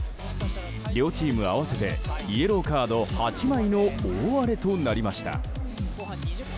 両チーム合わせてイエローカード８枚の大荒れとなりました。